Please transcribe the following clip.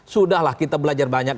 sudahlah kita belajar banyak